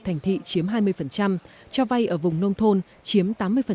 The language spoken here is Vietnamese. thành thị chiếm hai mươi cho vay ở vùng nông thôn chiếm tám mươi